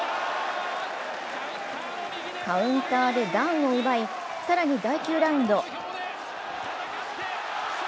カウンターでダウンを奪い、更に第９ラウンド。